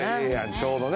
ちょうどね。